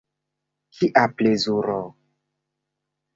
Kia plezuro!